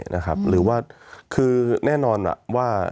มีความรู้สึกว่ามีความรู้สึกว่า